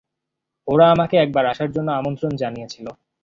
ওরা আমাকে একবার আসার জন্য আমন্ত্রণ জানিয়েছিল!